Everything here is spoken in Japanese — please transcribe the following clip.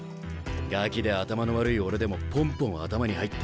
ガキで頭の悪い俺でもポンポン頭に入ってくる言葉を使う。